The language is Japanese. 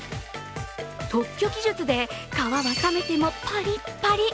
特許技術で皮は冷めてもパリッパリ。